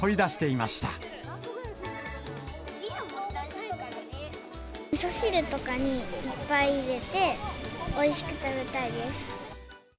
みそ汁とかにいっぱい入れて、おいしく食べたいです。